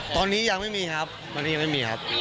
ตอนนี้ยังไม่มีครับตอนนี้ยังไม่มีครับ